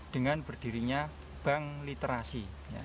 dengan berdirinya bank literasi